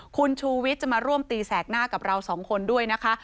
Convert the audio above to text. คุณชูวิทย์จะมาร่วมตีแสกหน้ากับเราสองคนด้วยนะคะ